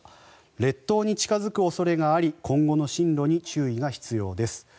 列島に近付く恐れがあり今後の進路に注意が必要です。